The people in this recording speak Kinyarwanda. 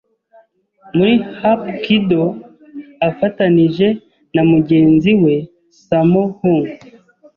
muri Hapkido afatanije na mugenzi we Sammo Hung